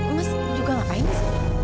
terus mas itu juga ngapain pak